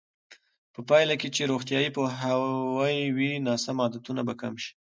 په پایله کې چې روغتیایي پوهاوی وي، ناسم عادتونه به کم شي.